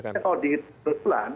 kalau di cina